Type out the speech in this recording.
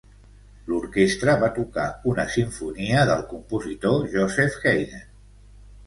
L'orquestra va tocar una simfonia del compositor Joseph Haydn.